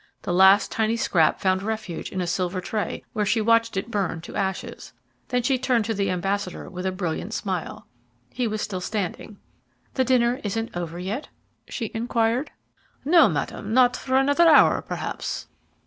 The last tiny scrap found refuge in a silver tray, where she watched it burn to ashes, then she turned to the ambassador with a brilliant smile. He was still standing. "The dinner isn't over yet?" she inquired. "No, Madam, not for another hour, perhaps."